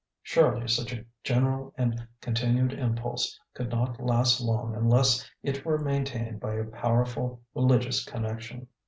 'Surely such a general and continued impulse could not last long unless it were maintained by a powerful religious connection.